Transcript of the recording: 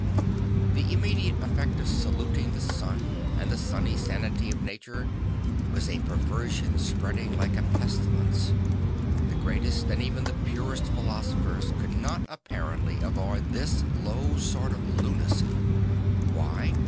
The immediate effect of saluting the sun and the sunny sanity of nature was a perversion spreading like a pestilence. The greatest and even the purest philosophers could not apparently avoid this low sort of lunacy. Why?